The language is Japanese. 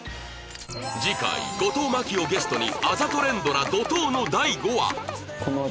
次回後藤真希をゲストにあざと連ドラ怒濤の第５話